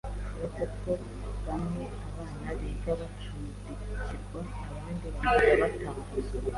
Uretse ko amwe abana biga bacumbikirwa andi bakiga bataha